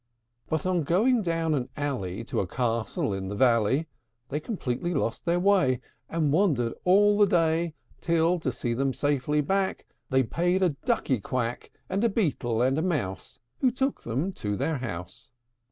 IV. But in going down an alley, To a castle in a valley, They completely lost their way, And wandered all the day; Till, to see them safely back, They paid a Ducky quack, And a Beetle, and a Mouse, Who took them to their house.